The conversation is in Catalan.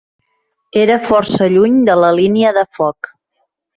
Era força lluny de la línia de foc